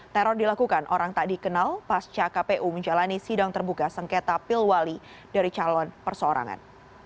teror dilakukan orang tak dikenal pasca kpu menjalani sidang terbuka sengketa pilwali dari calon perseorangan